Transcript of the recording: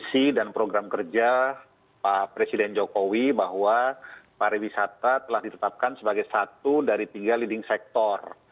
visi dan program kerja pak presiden jokowi bahwa pariwisata telah ditetapkan sebagai satu dari tiga leading sector